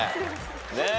ねえ。